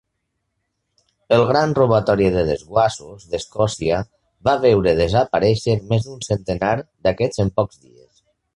El "gran robatori de desguassos" d'Escòcia va veure desaparèixer més d'un centenar d'aquests en pocs dies.